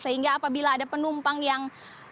sehingga apabila ada penumpang yang